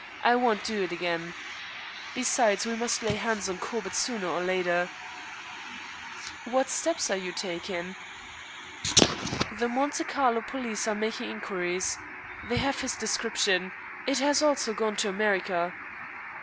I won't do it again. Besides, we must lay hands on Corbett sooner or later." "What steps are you taking?" "The Monte Carlo police are making inquiries. They have his description. It has also gone to America."